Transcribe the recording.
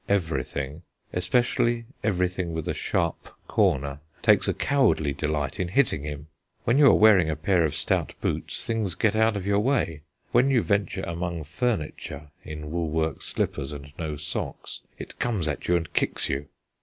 Everything especially everything with a sharp corner takes a cowardly delight in hitting him. When you are wearing a pair of stout boots, things get out of your way; when you venture among furniture in woolwork slippers and no socks, it comes at you and kicks you.